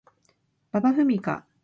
馬場ふみか